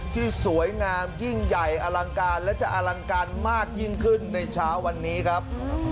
ที่สวยงามยิ่งใหญ่อลังการและจะอลังการมากยิ่งขึ้นในเช้าวันนี้ครับ